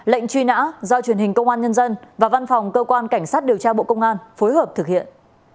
lệnh truy nã do truyền hình công an nhân dân và văn phòng cơ quan cảnh sát điều tra bộ công an phối hợp thực hiện